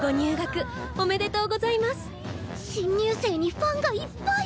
新入生にファンがいっぱい！